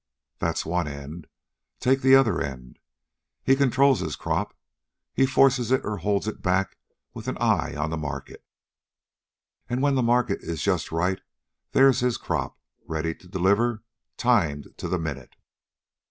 That's one end. Take the other end. He controls his crop. He forces it or holds it back with an eye on the market. And when the market is just right, there's his crop, ready to deliver, timed to the minute."